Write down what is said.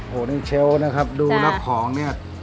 โอ้โหนี่เชลล์นะครับดูนักของเนี่ย